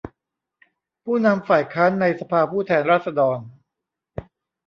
ผู้นำฝ่ายค้านในสภาผู้แทนราษฎร